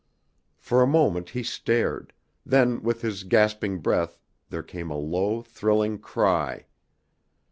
For a moment he stared, then with his gasping breath there came a low, thrilling cry.